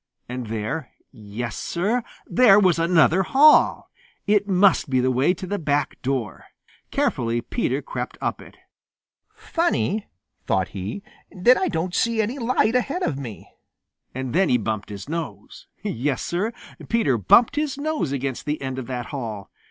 And there yes, Sir, there was another hall! It must be the way to the back door. Carefully Peter crept up it. "Funny," thought he, "that I don't see any light ahead of me." And then he bumped his nose. Yes, Sir, Peter bumped his nose against the end of that hall.